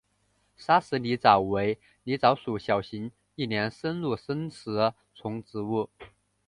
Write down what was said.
砂石狸藻为狸藻属小型一年生陆生食虫植物。